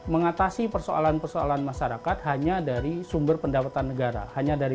mengatasi persoalan persoalan masyarakat hanya dari sumber perusahaan